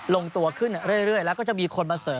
ลงตัวขึ้นเรื่อยแล้วก็จะมีคนมาเสริม